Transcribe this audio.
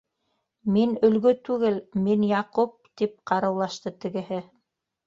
- Мин Өлгө түгел, мин - Яҡуп, - тип ҡарыулашты тегеһе.